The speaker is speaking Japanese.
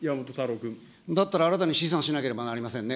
だったら新たに試算しなければなりませんよね。